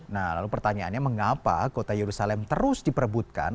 nah lalu pertanyaannya mengapa kota yerusalem terus diperebutkan